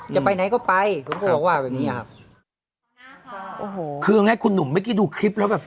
จะไปไหนก็ไปผมก็บอกว่าแบบเนี้ยครับโอ้โหคือเอาง่ายคุณหนุ่มเมื่อกี้ดูคลิปแล้วแบบ